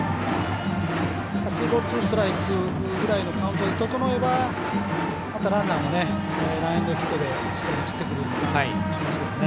ツーボールツーストライクぐらいのカウントが整えばあとはランナーもランエンドヒットでしっかり走ってくる気がします。